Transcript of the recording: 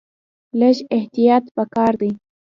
لږ احتیاط په کار دی.